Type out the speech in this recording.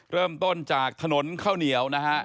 เริ่มต้นจากถนนข้าวเหนียวนะฮะ